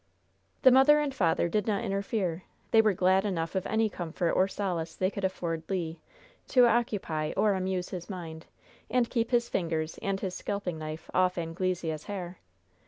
The mother and father did not interfere. They were glad enough of any comfort or solace they could afford Le, to occupy or amuse his mind, and keep his fingers and his scalping knife off Anglesea's hair.